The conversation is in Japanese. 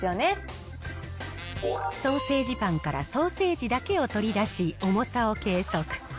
ソーセージパンからソーセージだけを取り出し、重さを計測。